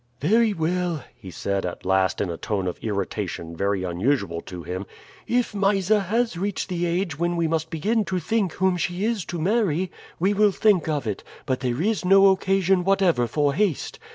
"Very well," he said at last in a tone of irritation very unusual to him, "if Mysa has reached the age when we must begin to think whom she is to marry, we will think of it, but there is no occasion whatever for haste.